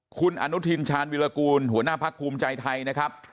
คุณอนุทินชาญวิรากูลหัวหน้าพักภูมิใจไทยนะครับ